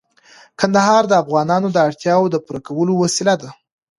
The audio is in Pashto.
کندهار د افغانانو د اړتیاوو د پوره کولو وسیله ده.